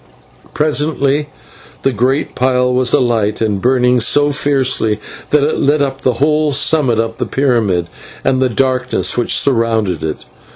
Presently the great pile was alight and burning so fiercely that it lit up the whole summit of the pyramid and the darkness which surrounded it.